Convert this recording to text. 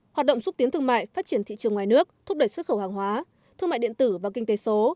hoạt động xúc tiến thương mại phát triển thị trường ngoài nước thúc đẩy xuất khẩu hàng hóa thương mại điện tử và kinh tế số